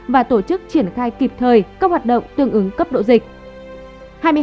và tổ chức triển khai kịp thời các hoạt động tương ứng cấp độ dịch